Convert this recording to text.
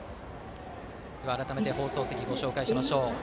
改めて放送席をご紹介します。